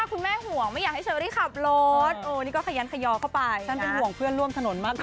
คุณแม่ห่วงไม่อยากให้เชอรี่ขับรถ